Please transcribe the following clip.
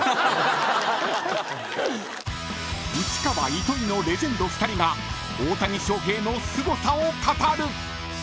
［内川糸井のレジェンド２人が大谷翔平のすごさを語る］